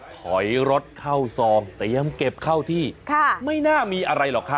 ถอยรถเข้าซองแต่ยังเก็บเข้าที่ค่ะไม่น่ามีอะไรหรอกครับ